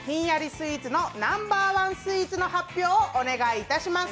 スイーツのナンバーワンスイーツの発表をお願いします。